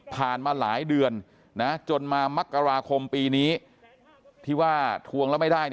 มาหลายเดือนจนมามักกราคมปีนี้ที่ว่าทวงแล้วไม่ได้